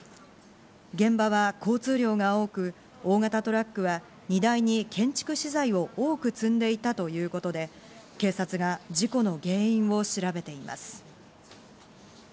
現場は交通量が多く、大型トラックは荷台に建築資材を多く積んでいたということで警察が事故の原因を調べています。